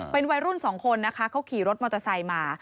เป็นวัยรุ่นสองคนนะคะเขาขี่รถมอเตอร์ไซค์มา